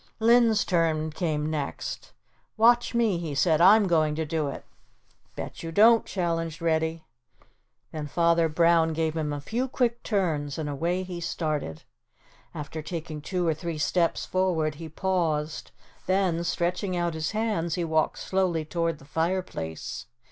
Linn's turn came next. "Watch me," he said. "I'm going to do it." "Bet you don't," challenged Reddy. Then Father Brown gave him a few quick turns and away he started. After taking two or three steps forward he paused, then, stretching out his hands he walked slowly toward the fireplace.